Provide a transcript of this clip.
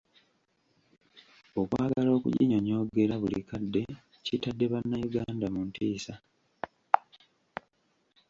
Okwagala okuginyonyoogera buli kadde kitadde bannayuganda mu ntiisa.